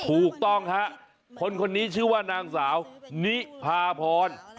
ถูกต้องฮะคนคนนี้ชื่อว่านางสาวนิพาพร